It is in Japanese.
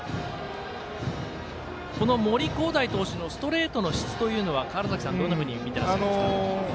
この森煌誠投手のストレートの質というのは川原崎さんは、どんなふうに見てらっしゃいますか。